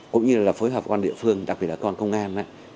cũng như là phối hợp cơ quan địa phương đặc biệt là cơ quan công an